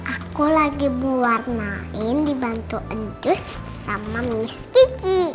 aku lagi mewarnain dibantu enjus sama miss kiki